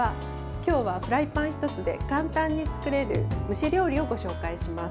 今日はフライパン１つで簡単に作れる蒸し料理をご紹介します。